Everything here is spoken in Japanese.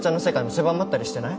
狭まったりしてない？